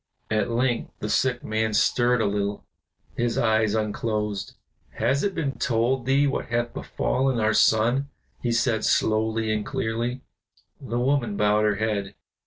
At length the sick man stirred a little, his eyes unclosed. "Has it been told thee what hath befallen our son?" he said, slowly and clearly. The woman bowed her head.